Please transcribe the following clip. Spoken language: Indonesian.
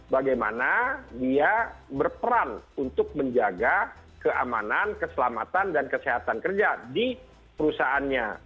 bagaimana dia berperan untuk menjaga keamanan keselamatan dan kesehatan kerja di perusahaannya